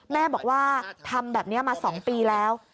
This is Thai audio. แม่บอกว่าทำแบบนี้มา๒ปีแล้ว